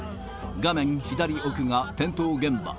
画面左奥が転倒現場。